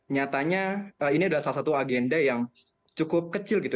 nyatanya ini adalah salah satu agenda yang cukup kecil gitu